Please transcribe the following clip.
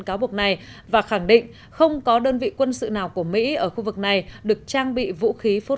cáo buộc này và khẳng định không có đơn vị quân sự nào của mỹ ở khu vực này được trang bị vũ khí phốt